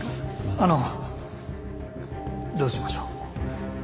あのどうしましょう？